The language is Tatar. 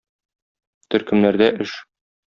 Төркемнәрдә эш.